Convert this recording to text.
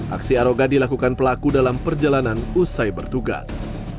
aksi arogan dilakukan pelaku dalam perjalanan usai bertugas